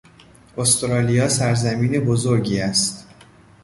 استرالیا سرزمین بزرگی است.